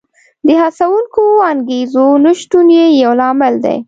د هڅوونکو انګېزو نشتون یې یو لامل دی